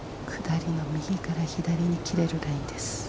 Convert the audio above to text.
下りの右から左に切れるラインです。